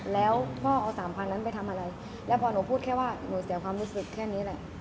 แล้วพ่อเอาสามพันนั้นไปทำอะไรแล้วพอหนูพูดแค่ว่าหนูเสียความรู้สึกแค่นี้แหละ